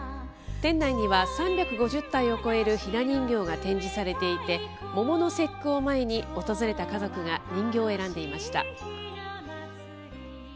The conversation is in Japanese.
店内には３５０体を超えるひな人形が展示されていて、桃の節句を前に、訪れた家族が人形を選んでいました。